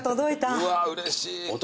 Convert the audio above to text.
うわうれしい。